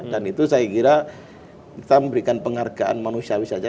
dan itu saya kira kita memberikan penghargaan manusiawi saja